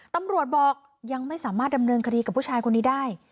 ตำรวจบอกยังไม่สามารถดำเนินคดีกับผู้ชายคนนี้ได้